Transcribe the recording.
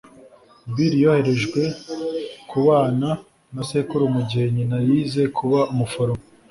Bill yoherejwe kubana na sekuru mu gihe nyina yize kuba umuforomo.